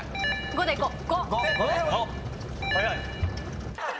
５でいこう。